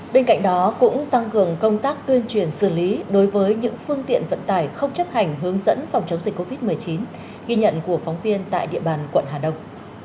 bên cạnh đó cũng tăng cường công tác tuyên truyền xử lý đối với những phương tiện vận tải không chấp hành hướng dẫn phòng chống dịch covid một mươi chín ghi nhận của phóng viên tại địa bàn quận hà đông